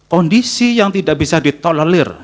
kondisi yang tidak bisa ditolelir